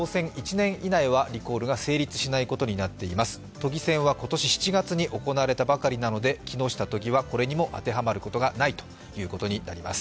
都議選は今年７月に行われたばかりなので、木下都議はこれにも当てはまることがないということになります。